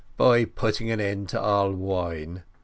"By putting an end to all wine.